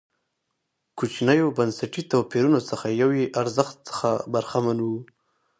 کوچنیو بنسټي توپیرونو څخه یو یې ارزښت څخه برخمن و.